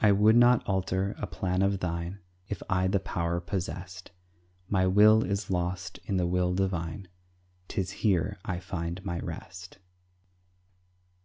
I would not alter a plan of thine If I the power possessed; My will is lost in the will divine, 'Tis here I find my rest.